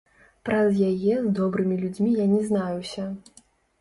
Праз яе з добрымі людзьмі я не знаюся.